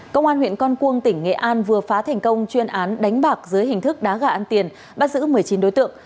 công an huyện con cuông tỉnh nghệ an vừa phá thành công chuyên án đánh bạc dưới hình thức đá gà ăn tiền bắt giữ một mươi chín đối tượng